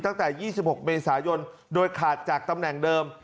ตั้งแต่๒๖เมษายนโดยขาดจากตำแหน่งเดิม